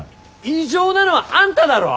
異常なのはあんただろ！